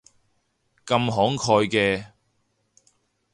咁慷慨嘅